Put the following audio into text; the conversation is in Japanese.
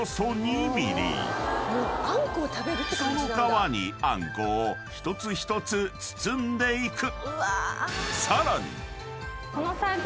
［その皮にあんこを一つ一つ包んでいく］